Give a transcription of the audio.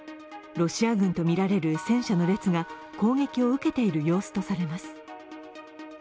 ロシア軍とみられる戦車の列が攻撃を受けている様子とされます。